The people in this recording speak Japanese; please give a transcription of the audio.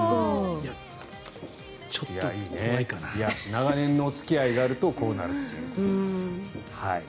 長年のお付き合いがあるとこうなるという。